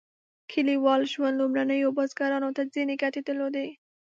کلیوال ژوند لومړنیو بزګرانو ته ځینې ګټې درلودې.